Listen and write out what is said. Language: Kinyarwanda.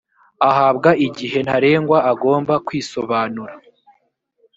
ahabwa igihe ntarengwa agomba kwisobanura